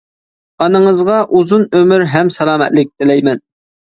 ئانىڭىزغا ئۇزۇن ئۆمۈر ھەم سالامەتلىك تىلەيمەن!